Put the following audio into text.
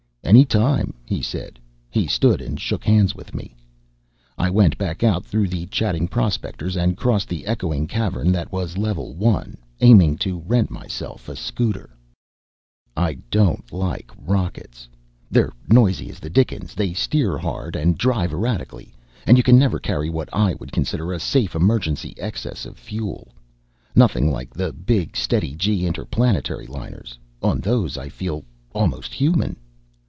"Any time," he said. He stood and shook hands with me. I went back out through the chatting prospectors and crossed the echoing cavern that was level one, aiming to rent myself a scooter. I don't like rockets. They're noisy as the dickens, they steer hard and drive erratically, and you can never carry what I would consider a safe emergency excess of fuel. Nothing like the big steady g interplanetary liners. On those I feel almost human.